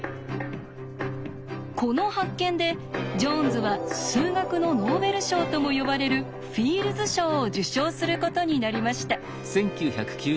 この発見でジョーンズは数学のノーベル賞とも呼ばれるフィールズ賞を受賞することになりました。